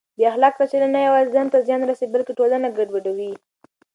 بې اخلاقه چلند نه یوازې ځان ته زیان رسوي بلکه ټولنه ګډوډوي.